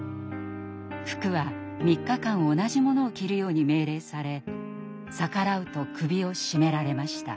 服は３日間同じものを着るように命令され逆らうと首を絞められました。